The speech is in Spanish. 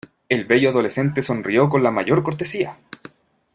el bello adolescente sonrió con la mayor cortesía: